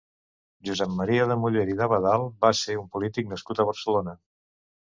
Josep Maria de Muller i d'Abadal va ser un polític nascut a Barcelona.